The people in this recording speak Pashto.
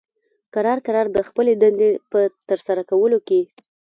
کرار کرار د خپلې دندې په ترسره کولو کې